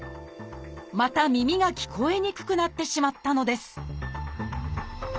また耳が聞こえにくくなってしまったのです